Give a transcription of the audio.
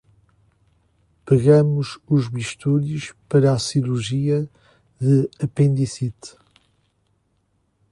Pegamos os bisturis para a cirurgia de apendicite